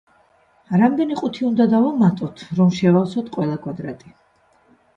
რამდენი ყუთი უნდა დავუმატოთ, რომ შევავსოთ ყველა კვადრატი?